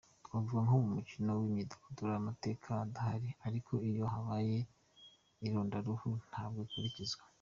Twavuga nko mu mikino n’imyidagaduro, amategeko arahari ariko iyo habaye irondaruhu, ntabwo akurikizwa.